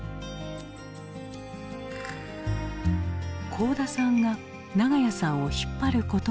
幸田さんが長屋さんを引っ張ることもあった。